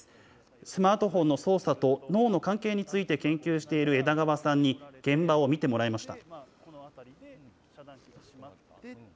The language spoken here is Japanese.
スマートフォンの操作と脳の関係について研究している枝川さんに、現場を見てもらいました。